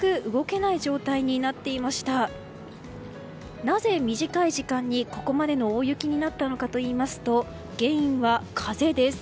なぜ短い時間にここまでの大雪になったのかといいますと原因は風です。